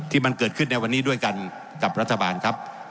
ที่มันเกิดขึ้นในวันนี้ด้วยกันกับรัฐบาลครับ